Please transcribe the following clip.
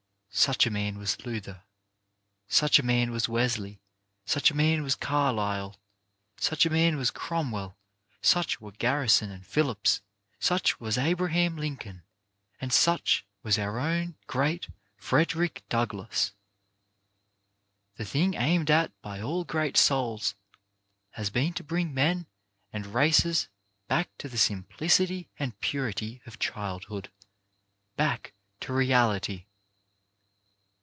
Such a man was Luther, such a man was Wesley, such a man was Carlyle, such a man was Cromwell, such were Garrison and Phillips, such was Abraham Lincoln, and such was our own great Frederick Douglass. The thing aimed at by all great souls has been to bring men and races back to the simplicity and purity of childhood — back to reality.